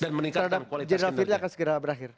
dan meningkatkan kualitas kendaraan